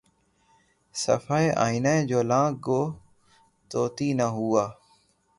صفحۂ آئنہ جولاں گہ طوطی نہ ہوا